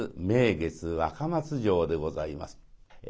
「名月若松城」でございます。